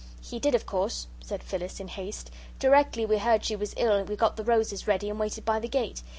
"He did, of course," said Phyllis, in haste; "directly we heard she was ill we got the roses ready and waited by the gate.